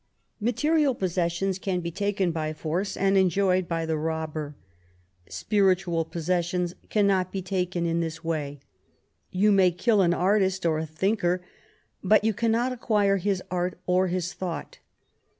Material possessions can be taken by force and enjoyed by the robber. Spiritual possessions cannot be taken in this way. You may kill an artist or a thinker, but you cannot acquire his art or his thought.